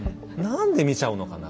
何で見ちゃうのかな。